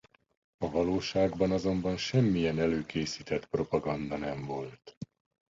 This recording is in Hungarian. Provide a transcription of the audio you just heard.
A valóságban azonban semmilyen előkészített propaganda nem volt.